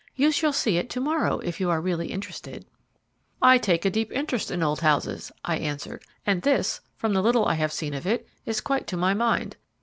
You shall see it to morrow, if you are really interested." "I take a deep interest in old houses," I answered; "and this, from the little I have seen of it, is quite to my mind.